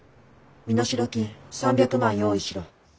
身代金３００万用意しろ。